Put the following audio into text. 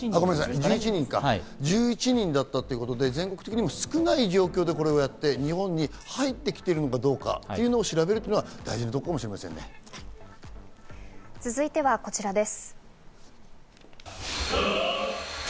１１人だったということで全国的にも少ない状況でこれをやって日本に入ってきているかどうかを調べるというのは大事なところかも続いてはこちらです。